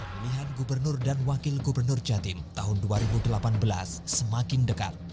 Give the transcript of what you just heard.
pemilihan gubernur dan wakil gubernur jatim tahun dua ribu delapan belas semakin dekat